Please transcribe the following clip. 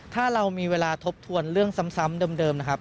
ถ้าเรามีเวลาทบทวนเรื่องซ้ำเดิมนะครับ